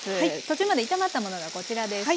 途中まで炒まったものがこちらです。